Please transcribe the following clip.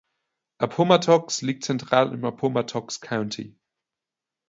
Appomattox liegt zentral im Appomattox County.